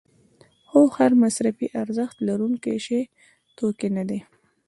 خو هر مصرفي ارزښت لرونکی شی توکی نه دی.